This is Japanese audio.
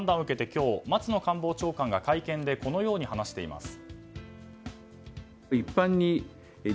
今日、松野官房長官が会見で、このように話しています。